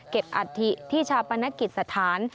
เก็บอัตฐิที่ชาปนกิจสถาน